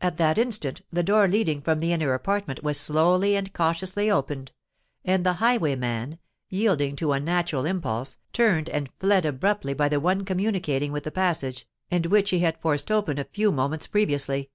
At that instant the door leading from the inner apartment was slowly and cautiously opened; and the highwayman, yielding to a natural impulse, turned and fled abruptly by the one communicating with the passage, and which he had forced open a few moments previously.